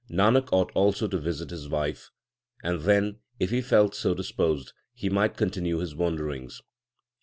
Nanak ought also to visit his wife, and then, if he felt so disposed, he might continue his wanderings.